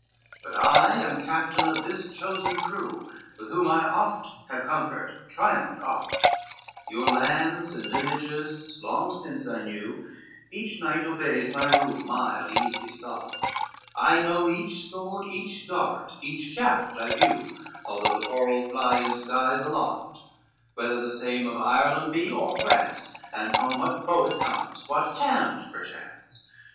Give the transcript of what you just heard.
XVIII "But I am captain of this chosen crew, With whom I oft have conquered, triumphed oft, Your lands and lineages long since I knew, Each knight obeys my rule, mild, easy, soft, I know each sword, each dart, each shaft I view, Although the quarrel fly in skies aloft, Whether the same of Ireland be, or France, And from what bow it comes, what hand perchance.